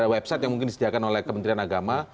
website yang mungkin disediakan oleh kementerian agama